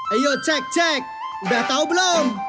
ayo cek cek udah tahu belum